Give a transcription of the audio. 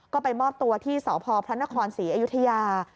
ก็ไปมอบตัวที่สพพระนครศรีอยุธยา